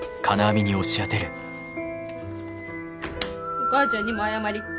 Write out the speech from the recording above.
お母ちゃんにも謝り。